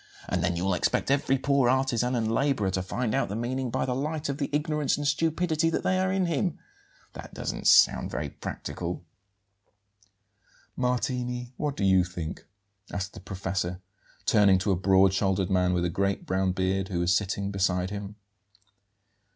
And then you'll expect every poor artisan and labourer to find out the meaning by the light of the ignorance and stupidity that are in him! That doesn't sound very practicable." "Martini, what do you think?" asked the professor, turning to a broad shouldered man with a great brown beard, who was sitting beside him.